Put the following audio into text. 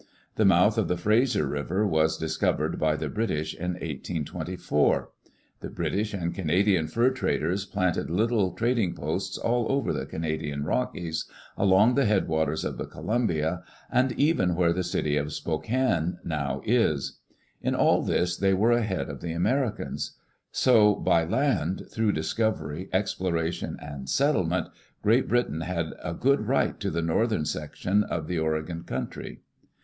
The mouth of the Frazer River was dis covered by the British in 1824. The British and Canadian fur traders planted little trading posts all over the Cana dian Rockies, along the head waters of the Columbia, and even where the city of Spokane now is. In all this, they were ahead of the Americans. So, by land, through discovery, exploration, and settlement, Great Britain had a good right to the northern section of the Oregon country.